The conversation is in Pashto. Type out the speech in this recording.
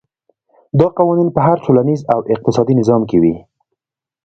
دا قوانین په هر ټولنیز او اقتصادي نظام کې وي.